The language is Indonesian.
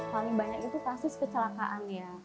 paling banyak itu kasus kecelakaan ya